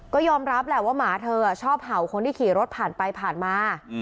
ก็ยอมรับแหละว่าหมาเธอชอบเห่าคนที่ขี่รถผ่านไปผ่านมา